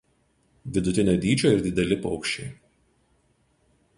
Vidutinio dydžio ir dideli paukščiai.